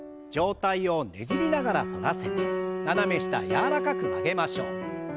上体をねじりながら反らせて斜め下柔らかく曲げましょう。